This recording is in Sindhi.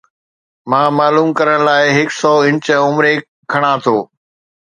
مان معلوم ڪرڻ لاءِ هڪ سوانح عمري کڻان ٿو.